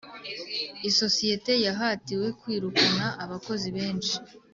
isosiyete yahatiwe kwirukana abakozi benshi.